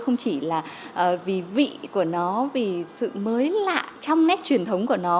không chỉ là vì vị của nó vì sự mới lạ trong nét truyền thống của nó